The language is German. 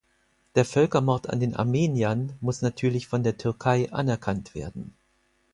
Der Völkermord an den Armeniern muss natürlich von der Türkei anerkannt werden.